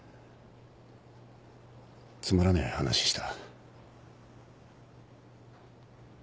つまらねえ話した。